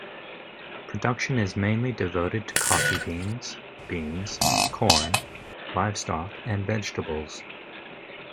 Production is mainly devoted to coffee beans, beans, corn, livestock, and vegetables.